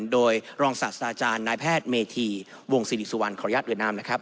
โดยรองศาสตราจารย์นายแพทย์เมธีวงศิริสุวรรณขออนุญาตเวียดนามนะครับ